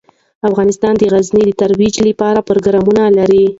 افغانستان د غزني د ترویج لپاره پروګرامونه لري.